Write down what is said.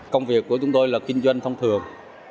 công việc của chúng tôi là kinh doanh thông thường